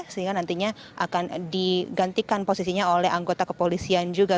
sehingga nantinya akan digantikan posisinya oleh anggota kepolisian juga